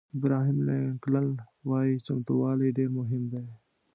ابراهیم لینکلن وایي چمتووالی ډېر مهم دی.